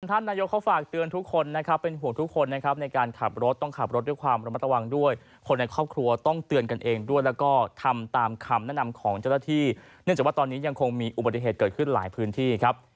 ท่านนายกเขาฝากเตือนทุกคนนะครับเป็นห่วงทุกคนนะครับในการขับรถต้องขับรถด้วยความระมัดระวังด้วยคนในครอบครัวต้องเตือนกันเองด้วยแล้วก็ทำตามคำแนะนำของเจ้าหน้าที่เนื่องจากว่าตอนนี้ยังคงมีอุบัติเหตุเกิดขึ้นหลายพื้นที่ครับ